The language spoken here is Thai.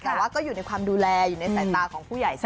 แต่ว่าก็อยู่ในความดูแลอยู่ในสายตาของผู้ใหญ่ซะ